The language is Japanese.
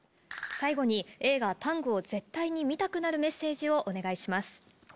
最後に映画『ＴＡＮＧタング』を絶対に見たくなるメッセージをお願いします。